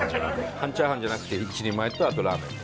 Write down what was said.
半チャーハンじゃなくて１人前とあとラーメンで。